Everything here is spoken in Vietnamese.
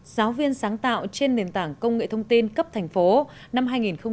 giáo viên sáng tạo trên nền tảng công nghệ thông tin cấp thành phố năm hai nghìn một mươi bảy hai nghìn một mươi tám